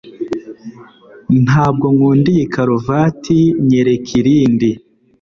Ntabwo nkunda iyi karuvati. Nyereka irindi.